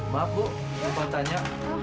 maaf bu lupa tanya